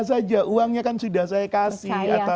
saja uangnya kan sudah saya kasih